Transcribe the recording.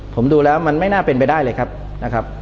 ผมดูแล้วมันไม่น่าเป็นไปได้เลยครับนะครับ